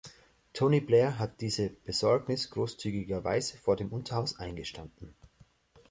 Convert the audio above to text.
Tony Blair hat diese Besorgnis großzügigerweise vor dem Unterhaus eingestanden.